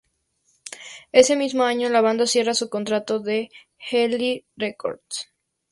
Ese mismo año, la banda cierra su contrato con Heavenly Records.